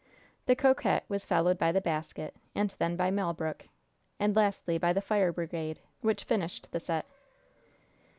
The "Coquette" was followed by the "Basket," and then by "Malbrook," and lastly by the "Fire Brigade," which finished the set.